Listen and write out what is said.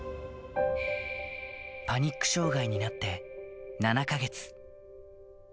パニック障害になって７か月。